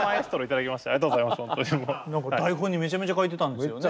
台本にめちゃめちゃ書いてたんですよね。